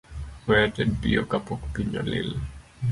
We ated piyo kapok piny olil